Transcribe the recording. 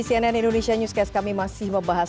cnn indonesia newscast kami masih membahas